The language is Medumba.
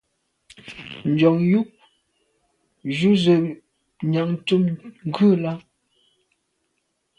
Nson yub ju ze Njantùn ghù là.